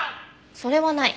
それはない。